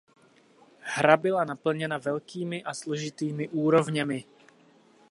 Hra byla naplněna velkými a složitými úrovněmi.